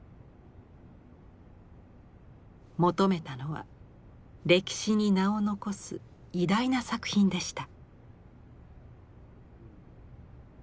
求めたのは歴史に名を残す偉大な作品でした。